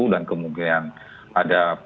dan kemungkinan ada